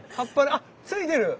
あっついてる。